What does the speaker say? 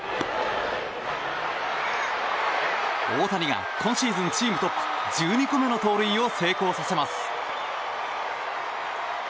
大谷が、今シーズンチームトップ１２個目の盗塁を成功させます。